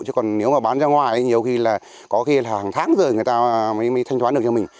chứ còn nếu mà bán ra ngoài nhiều khi là có khi là hàng tháng rồi người ta mới thanh toán được cho mình